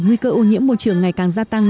nguy cơ ô nhiễm môi trường ngày càng gia tăng